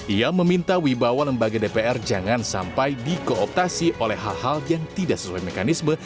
ia meminta wibawa lembaga dpr jangan sampai dikooptasi oleh hal hal yang tidak sesuai mekanisme